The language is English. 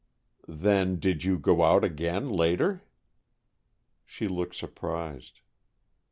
"Then did you go out again, later?" She looked surprised.